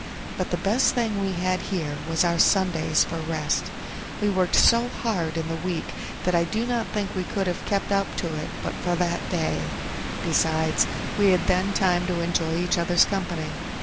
But the best thing we had here was our Sundays for rest; we worked so hard in the week that I do not think we could have kept up to it but for that day; besides, we had then time to enjoy each other's company.